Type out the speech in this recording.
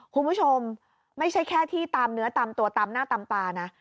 คุณผู้ชมไม่ใช่แค่ที่ตามเนื้อตามตัวตามหน้าตามตานะ